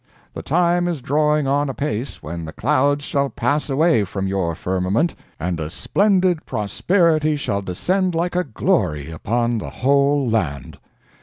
The time is drawing on apace when the clouds shall pass away from your firmament, and a splendid prosperity shall descend like a glory upon the whole land!